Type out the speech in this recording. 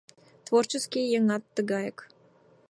Творческий еҥат тыгаяк.